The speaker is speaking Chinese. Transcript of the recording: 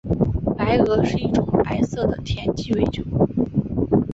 白俄是一种白色的甜鸡尾酒。